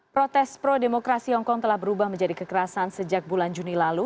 protes pro demokrasi hongkong telah berubah menjadi kekerasan sejak bulan juni lalu